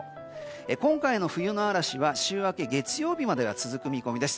今回の冬の嵐は週明け、月曜日までは続く見込みです。